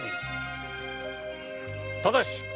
ただし！